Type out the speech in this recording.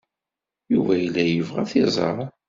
Yuba yella yebɣa ad t-iẓer.